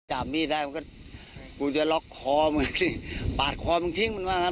จับมีดได้เพราะก็ปาสคอมึงวงพิ้งมันว่างัน